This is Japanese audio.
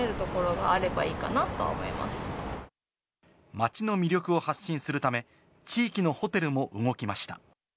街の魅力を発信するため、地域のホテルも動きました。